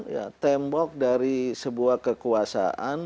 ya tembok dari sebuah kekuasaan